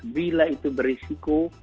bila itu berisiko